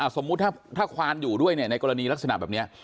สมมุติถ้าควานอยู่ด้วยในกรณีลักษณะแบบนี้